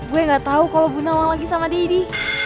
gue nggak tahu kalau bunda wang lagi sama didi